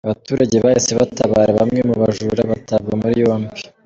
Abaturage bahise batabara bamwe mu bajura batabwa muri yombi.